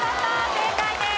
正解です。